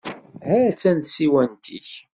Ha-tt-an tsiwant-ik.